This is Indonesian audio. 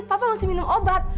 papa masih minum obat